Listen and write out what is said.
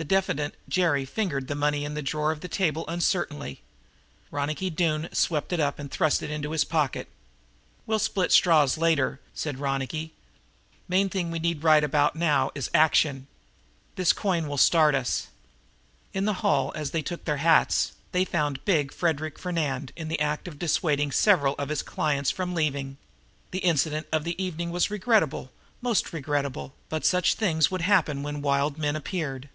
The diffident Jerry fingered the money in the drawer of the table uncertainly. Ronicky Doone swept it up and thrust it into his pocket. "We'll split straws later," said Ronicky. "Main thing we need right about now is action. This coin will start us." In the hall, as they took their hats, they found big Frederic Fernand in the act of dissuading several of his clients from leaving. The incident of the evening was regrettable, most regrettable, but such things would happen when wild men appeared.